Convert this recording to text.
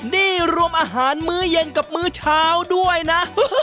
นี่รวมอาหารมื้อเย็นกับมื้อเช้าด้วยนะ